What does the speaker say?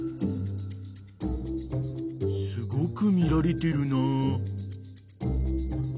［すごく見られてるなあ］